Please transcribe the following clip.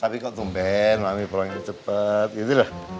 tapi kok tumben mami pulangnya cepet gitu dah